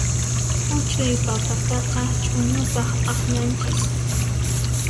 Huch'uy papataqa ch'uñupaq akllanchis.